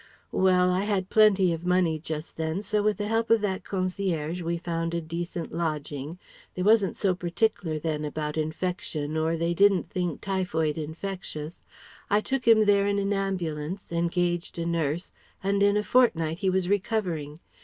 Well! I had plenty of money just then, so with the help of that concierge we found a decent lodging they wasn't so partic'lar then about infection or they didn't think typhoid infectious I took him there in an ambulance, engaged a nurse, and in a fortnight he was recovering.